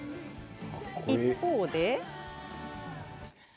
一方で。